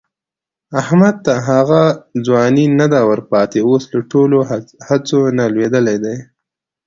احمد ته هغه ځواني نه ده ورپاتې، اوس له ټولو هڅو نه لوېدلی دی.